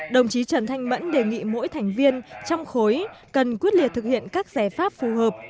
đồng chí trần thanh mẫn đề nghị mỗi thành viên trong khối cần quyết liệt thực hiện các giải pháp phù hợp